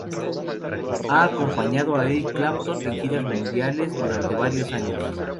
Ha acompañado a Eric Clapton en giras mundiales durante varios años.